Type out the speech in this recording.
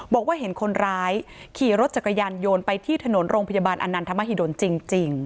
บอกว่าเห็นคนร้ายขี่รถจักรยานโยนไปที่ถนนโรงพยาบาลอนันทมหิดลจริง